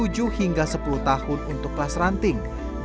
yang sudah seranting